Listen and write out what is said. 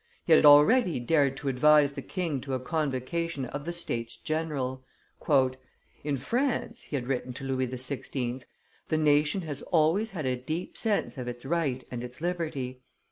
He had already dared to advise the king to a convocation of the states general. "In France," he had written to Louis XVI., "the nation has always had a deep sense of its right and its liberty.